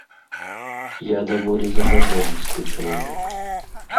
Я даволі забабоністы чалавек.